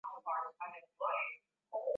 na ndipo hukamilika ishirini na mbili